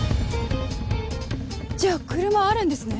じゃあ車あるんですね？